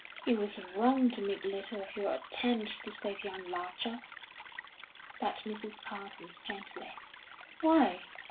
"He was wrong to make little of your attempt to save young Larcher," said Mrs. Parsons, gently. "Why?"